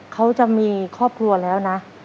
เขาจะมีครอบครัวแล้วนะ